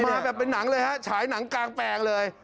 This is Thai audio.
มาแบบเป็นหนังเลยฮะฉายหนังกลางแปลงเลย